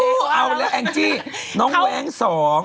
โอ้เอาแหละแองจี้น้องแวงสอง